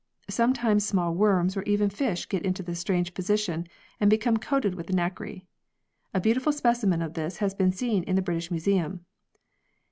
Sometimes small worms or even fish get into this strange position, and become coated with nacre (fig. 8). A beautiful specimen of this is to be seen in the British Museum.